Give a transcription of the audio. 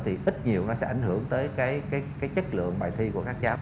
thì ít nhiều sẽ ảnh hưởng tới chất lượng bài thi của các cháu